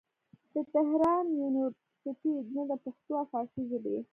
د تهران يونيورسټۍ نه د پښتو او فارسي ژبې